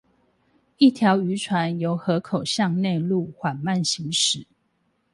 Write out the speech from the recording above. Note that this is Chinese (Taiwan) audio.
一條漁船由河口向內陸緩慢行駛